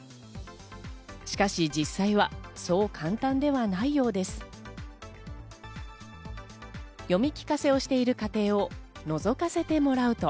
しかし実際はそう簡単ではないようです。